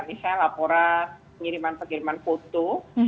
misalnya laporan pengiriman pengiriman foto